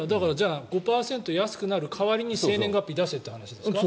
５％安くなる代わりに生年月日を出せという話ですか。